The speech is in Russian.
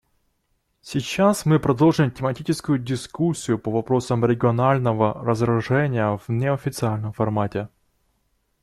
Сейчас мы продолжим тематическую дискуссию по вопросам регионального разоружения в неофициальном формате.